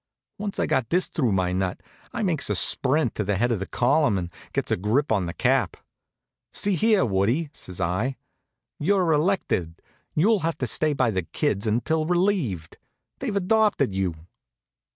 Once I got this through my nut, I makes a sprint to the head of the column and gets a grip on the Cap. "See here, Woodie!" says I, "you're elected. You'll have to stay by the kids until relieved. They've adopted you."